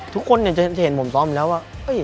ทุกคนจะเห็นผมซ้อมอยู่แล้วว่า